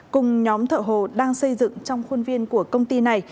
cùng nhóm thợ hồ đang xây dựng trong khuôn viên của công ty này